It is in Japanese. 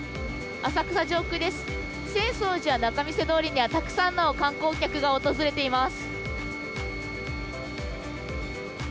浅草寺や仲見世通りにはたくさんの観光客が訪れています。